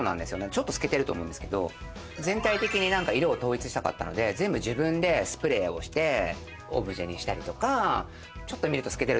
ちょっと透けてると思うんですけど、全体的に色を統一したかったので全部自分でスプレーしてオブジェにしたりとか。